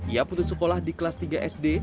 ia putus sekolah di kelas tiga sd